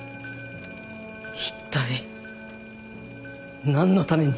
一体何のために。